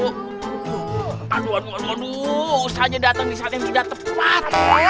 hai paduan oduh saja datang solisian juga tepat